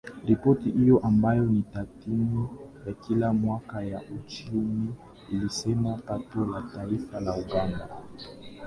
Ripoti hiyo ambayo ni tathmini ya kila mwaka ya uchumi ilisema pato la taifa la Uganda